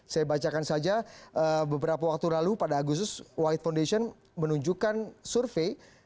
saya bacakan saja beberapa waktu lalu pada agustus wahid foundation menunjukkan survei